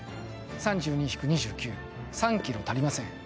３２−２９、３ｋｇ足りません。